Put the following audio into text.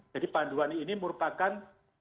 jadi panduan ini merupakan